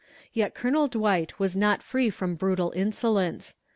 Yet Colonel Dwight was not free from brutal insolence.